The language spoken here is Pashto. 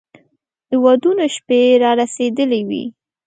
د ودونو شپې را رسېدلې وې.